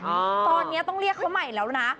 ตอนนี้ต้องเรียกเขาใหม่แล้วนะ